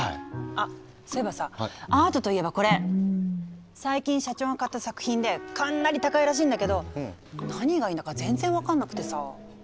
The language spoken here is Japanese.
あそういえばさアートといえばこれ最近社長が買った作品でかなり高いらしいんだけど何がいいんだか全然分かんなくてさ。